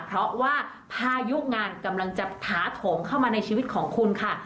เพราะว่าพายุงานกำลังจะถาโถมเข้ามาในชีวิตของคุณค่ะ